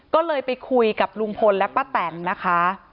ก็เลยไปคุยกับลุงพลและป้าแตนนะคะ